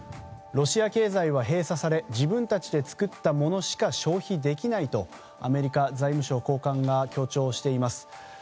ロシア経済は閉鎖され自分たちで作ったものしか消費できないとアメリカ財務省高官が強調しています。